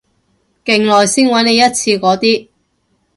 勁耐先搵你一次嗰啲